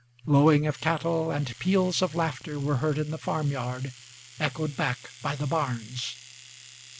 Lowing of cattle and peals of laughter were heard in the farm yard, Echoed back by the barns.